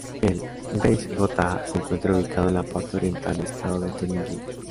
El Landkreis Gotha se encuentra ubicado en la parte oriental del estado de Turingia.